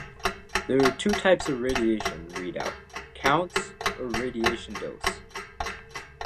There are two types of radiation readout: counts or radiation dose.